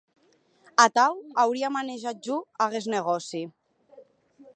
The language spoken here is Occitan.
Atau auria manejat jo aguest negòci.